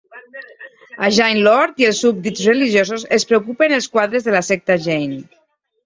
A Jain Lord i els súbdits religiosos els preocupen els quadres de la secta Jain.